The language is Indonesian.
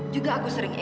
juga aku sering egois